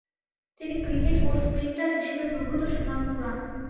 তিনি ক্রিকেট ও স্প্রিন্টার হিসেবে প্রভূতঃ সুনাম কুড়ান।